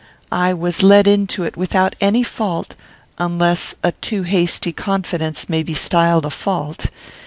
I was led into it without any fault, unless a too hasty confidence may be styled a fault.